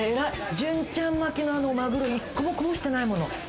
淳ちゃん巻きのマグロ、１個もこぼしてないもの。